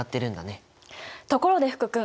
ところで福君。